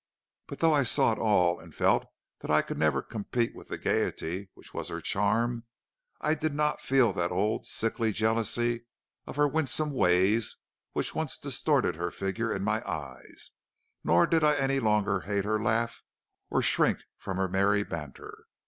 But though I saw it all and felt that I could never compete with the gaiety which was her charm, I did not feel that old sickly jealousy of her winsome ways which once distorted her figure in my eyes, nor did I any longer hate her laugh or shrink from her merry banter.